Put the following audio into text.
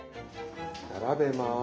並べます。